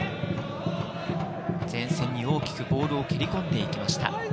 前線に大きくボールを蹴り込んでいきました。